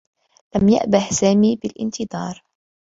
لم يأبه سامي بالانتظار.